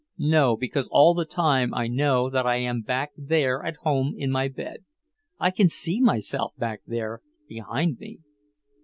"No because all the time I know that I am back there at home in my bed. I can see myself back there behind me."